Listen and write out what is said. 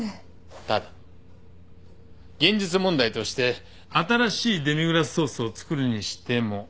ただ現実問題として新しいデミグラスソースを作るにしても。